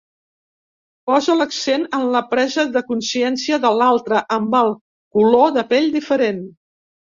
Posa l'accent en la presa de consciència de l'altre amb el color de pell diferent.